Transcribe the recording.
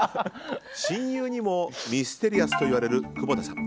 親友にもミステリアスと言われる久保田さん。